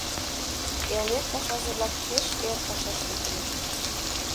Элнет пашазе-влак пеш эр пашаш лектыныт.